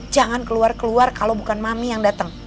jangan keluar keluar kalau bukan mami yang datang